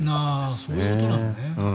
そういうことなのね。